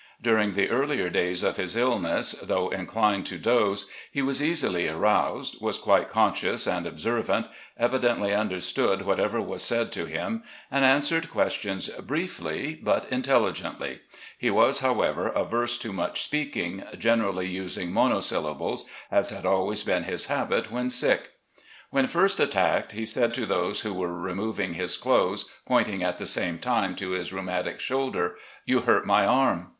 During the earlier days of his illness, though inclined to doze, he was easily aroused, was quite conscious and observant, evidently understood whatever was said to him, and answered questions briefly but intelligently; he was, however, averse to much speaking, generally using monosyllables, as had always been his habit when sick. "When first attacked, he said to those who were removing his clothes, pointing at the same time to his rheumatic shoulder, 'You hurt my arm.